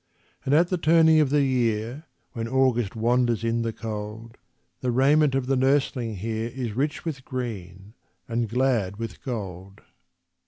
And at the turning of the year, When August wanders in the cold, The raiment of the nursling here Is rich with green and glad with gold.